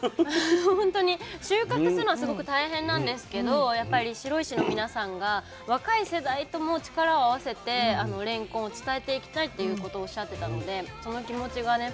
ほんとに収穫するのはすごく大変なんですけどやっぱり白石の皆さんが若い世代とも力を合わせてれんこんを伝えていきたいっていうことをおっしゃってたのでその気持ちがね